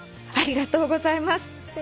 ありがとうございます。